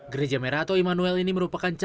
gereja merah atau immanuel ini merupakan